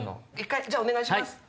じゃあお願いします。